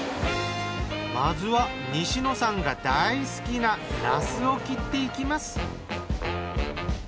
まずは西野さんが大好きななすを切っていきます。